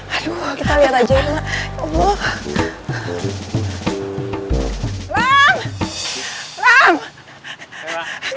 aduh kita lihat aja ya mak